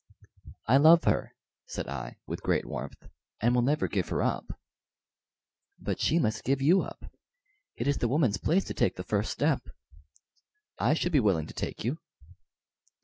"I love her," said I, with great warmth, "and will never give her up." "But she must give you up; it is the woman's place to take the first step. I should be willing to take you."